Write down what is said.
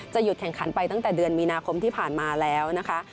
หยุดแข่งขันไปตั้งแต่เดือนมีนาคมที่ผ่านมาแล้วนะคะ